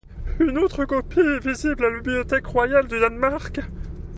Une autre copie est visible à la Bibliothèque royale du Danemark.